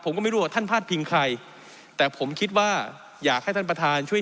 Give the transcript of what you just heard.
ผมก็ไม่รู้ว่าท่านพาดพิงใครแต่ผมคิดว่าอยากให้ท่านประธานช่วย